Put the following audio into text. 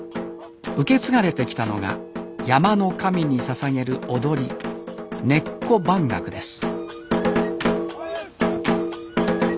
受け継がれてきたのが山の神にささげる踊り「根子番楽」です